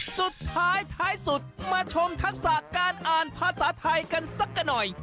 สุดท้ายท้ายสุดมาชมทักษะการอ่านภาษาไทยกันสักกันหน่อย